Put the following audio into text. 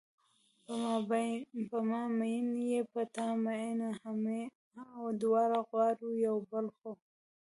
په ما میین یې په تا مینه همیمه دواړه غواړو یو بل خو